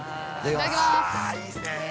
◆いただきまーす。